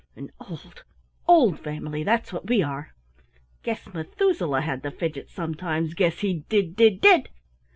An old, old family, that's what we are. Guess Methuselah had the Fidgets sometimes, guess he did, did, did!"